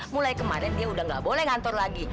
mulai kemarin dia udah gak boleh ngantor lagi